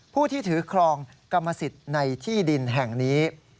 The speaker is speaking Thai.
ผู้ที่ถือครองกรรมสิทธิ์ในที่ดินแห่งนี้